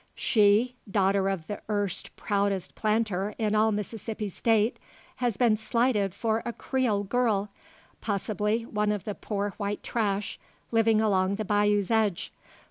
She, daughter of the erst proudest planter in all Mississippi State, has been slighted for a Creole girl; possibly, one of the "poor white trash" living along the bayous' edge.